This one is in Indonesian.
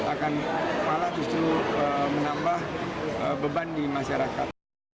akan malah justru menambah beban di masyarakat